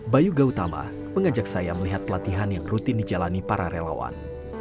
bayu gautama mengajak saya melihat pelatihan yang rutin dijalani para relawan